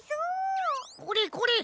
これこれ。